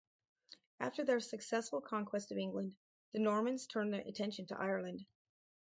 After their successful conquest of England, the Normans turned their attention to Ireland.